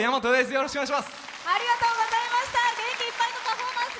よろしくお願いします！